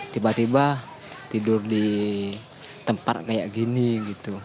tiba tiba tidur di tempat kayak gini gitu